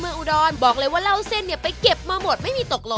อุดรบอกเลยว่าเล่าเส้นเนี่ยไปเก็บมาหมดไม่มีตกหล